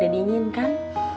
jangan b premier